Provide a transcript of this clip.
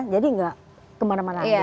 jadi nggak kemana mana lagi